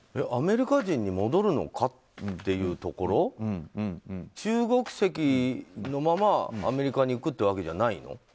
アメリカ人に戻るのかっていうところ中国籍のままアメリカに行くってわけじゃないの？